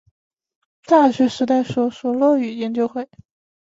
大学时代所属落语研究会。